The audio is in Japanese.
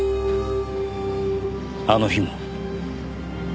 あの日も？